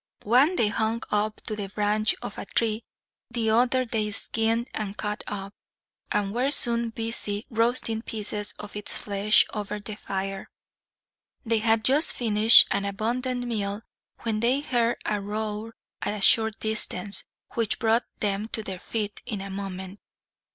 One they hung up to the branch of a tree. The other they skinned and cut up, and were soon busy roasting pieces of its flesh over the fire. They had just finished an abundant meal when they heard a roar at a short distance, which brought them to their feet in a moment.